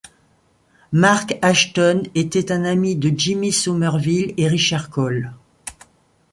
Mark Ashton était un ami de Jimmy Somerville et Richard Coles.